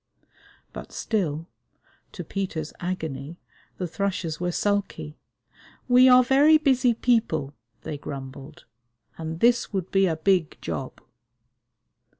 But still, to Peter's agony, the thrushes were sulky. "We are very busy people," they grumbled, "and this would be a big job."